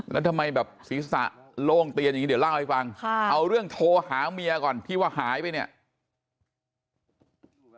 แล้วทำไมแบบศีรษะโล่งเตียนอย่างนี้เดี๋ยวเล่าให้ฟัง